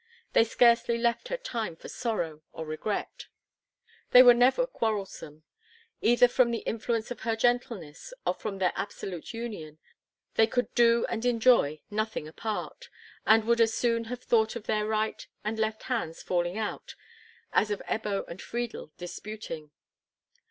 They scarcely left her time for sorrow or regret. They were never quarrelsome. Either from the influence of her gentleness, or from their absolute union, they could do and enjoy nothing apart, and would as soon have thought of their right and left hands falling out as of Ebbo and Friedel disputing.